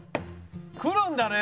くるんだね！